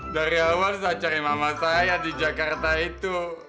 dari awal saya cari mama saya di jakarta itu